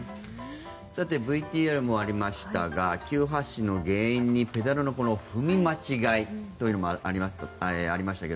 ＶＴＲにもありましたが急発進の原因にペダルの踏み間違いもありましたが